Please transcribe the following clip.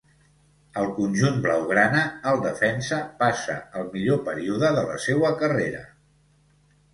Al conjunt blaugrana, el defensa passa el millor període de la seua carrera.